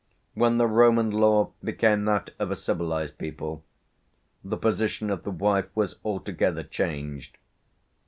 When the Roman law became that of a civilised people, the position of the wife was altogether changed....